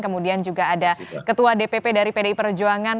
kemudian juga ada ketua dpp dari pdi perjuangan